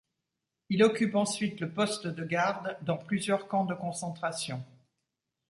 Il occupe ensuite le poste de garde dans plusieurs camps de concentration.